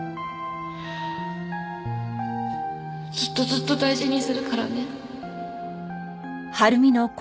ずっとずっと大事にするからね。